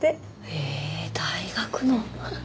へえ大学の。